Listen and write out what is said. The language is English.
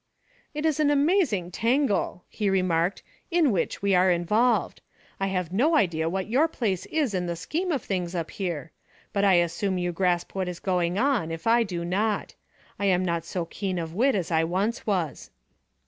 "It is an amazing tangle," he remarked, "in which we are involved. I have no idea what your place is in the scheme of things up here. But I assume you grasp what is going on, if I do not. I am not so keen of wit as I once was."